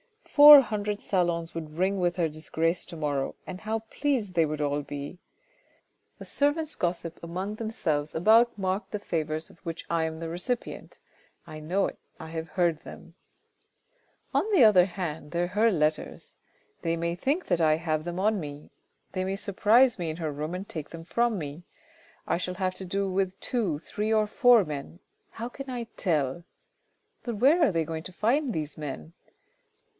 Four hundred salons would ring with her disgrace to morrow, and how pleased they would all be. " The servants gossip among themselves about marked the 342 THE RED AND THE BLACK favours of which I am the recipient. I know it, I have heard them " On the other hand they're her letters. They may think that I have them on me. They may surprise me in her room and take them from me. I shall have to deal with two, three, or four men. How can I tell ? But where are they going to find these men